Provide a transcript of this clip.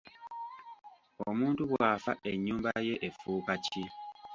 Omuntu bw'afa ennyumba ye efuuka ki?